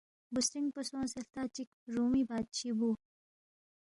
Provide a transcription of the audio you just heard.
بُوسترِنگ پو سونگسے ہلتا چِک رُومی بادشی بُو